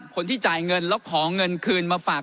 คนที่จ่ายเงินแล้วขอเงินคืนมาฝาก